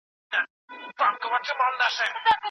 دوهم شاه عباس خپلې درې ښځې په اور کې وسوځولې.